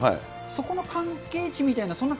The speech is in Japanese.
そこの関係値みたいな